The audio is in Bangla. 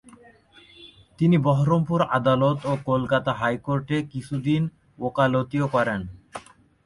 তিনি বহরমপুর আদালত ও কলকাতা হাইকোর্টে কিছুদিন ওকালতিও করেন।